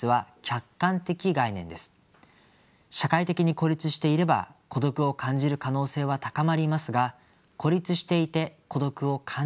社会的に孤立していれば孤独を感じる可能性は高まりますが孤立していて孤独を感じない人もいます。